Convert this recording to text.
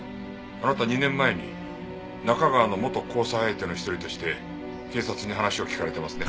あなた２年前に中川の元交際相手の一人として警察に話を聞かれてますね？